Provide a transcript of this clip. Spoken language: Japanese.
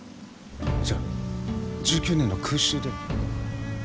じゃあ１９年の空襲で？